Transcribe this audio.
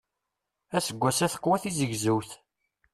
Aseggas-a teqwa tizegzewt.